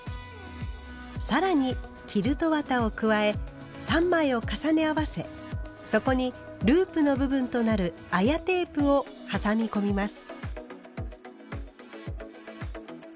更にキルト綿を加え３枚を重ね合わせそこにループの部分となる綾テープを挟み込みます。